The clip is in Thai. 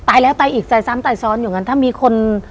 ตายแล้วตายอีกตายซ้ำตายซ้อนอยู่อย่างงั้นถ้ามีคน